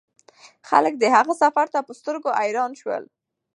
خلک د هغه سفر ته په سترګو حیران شول.